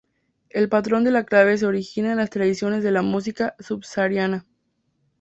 El patrón de la Clave se origina en las tradiciones de la música sub-sahariana.